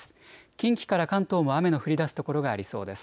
近畿から関東も雨の降りだす所がありそうです。